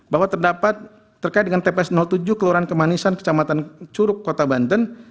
bahwa terdapat terkait dengan tps tujuh kelurahan kemanisan kecamatan curug kota banten